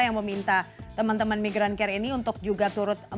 yang meminta teman teman migrancare ini untuk juga turut mengawal